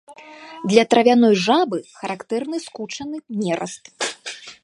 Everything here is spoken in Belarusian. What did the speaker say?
Для травяной жабы характэрны скучаны нераст.